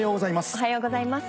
おはようございます。